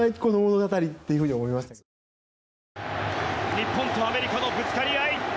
日本とアメリカのぶつかり合い。